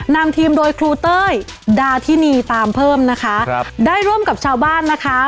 นำทีมโดยครูเต้ยดาธินีตามเพิ่มนะคะครับได้ร่วมกับชาวบ้านนะคะ